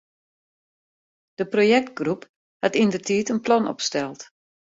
De projektgroep hat yndertiid in plan opsteld.